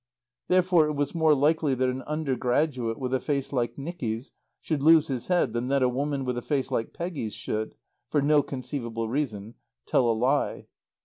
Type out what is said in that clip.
Therefore it was more likely that an undergraduate with a face like Nicky's should lose his head than that a woman with a face like Peggy's should, for no conceivable reason, tell a lie.